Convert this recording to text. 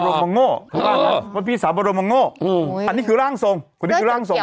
บรมงโง่เพราะว่าพี่สาวบรมงโง่อันนี้คือร่างทรงอันนี้คือร่างทรง